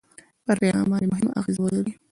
پر پیغام باندې مهمه اغېزه ولري.